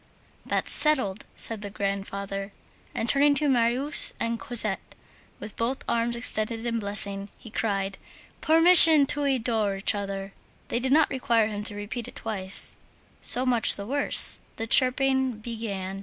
"That's settled," said the grandfather. And, turning to Marius and Cosette, with both arms extended in blessing, he cried: "Permission to adore each other!" They did not require him to repeat it twice. So much the worse! the chirping began.